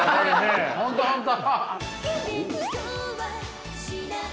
本当本当。